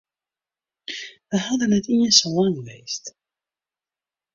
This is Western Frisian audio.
We hawwe dêr net iens sa lang west.